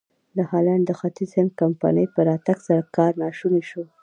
د هالنډ د ختیځ هند کمپنۍ په راتګ سره کار ناشونی شو.